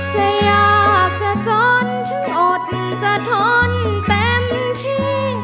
จะยากจะจนถึงอดจะทนเต็มที่